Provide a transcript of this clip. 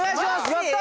やった！